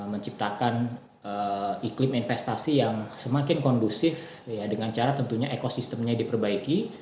menciptakan iklim investasi yang semakin kondusif dengan cara tentunya ekosistemnya diperbaiki